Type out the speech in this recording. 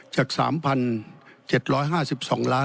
จาก๓๗๕๒ล้าน